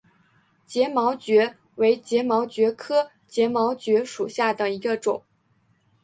睫毛蕨为睫毛蕨科睫毛蕨属下的一个种。